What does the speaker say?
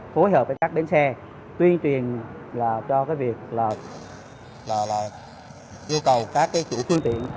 phối hợp với các đơn xe tuyên truyền cho cái việc là yêu cầu các cái chủ phương tiện